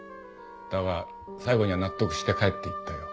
だが最後には納得して帰っていったよ。